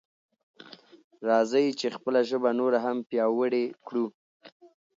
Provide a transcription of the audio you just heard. راځئ چې خپله ژبه نوره هم پیاوړې کړو.